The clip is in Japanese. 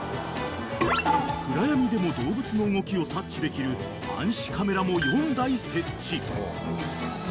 ［暗闇でも動物の動きを察知できる暗視カメラも４台設置］